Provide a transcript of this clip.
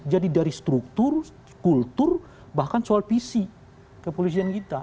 dari struktur kultur bahkan soal visi kepolisian kita